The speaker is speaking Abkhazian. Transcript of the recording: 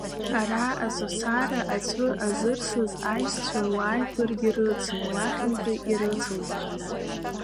Ара, Аҵәасара, аҵәы азырсыз аишьцәа руаажәларгьы рыцын, уахьынтәи ирыцылбааз.